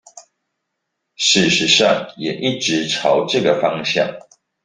事實上也一直朝這個方向